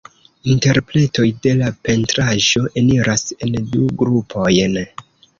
Interpretoj de la pentraĵo eniras en du grupojn.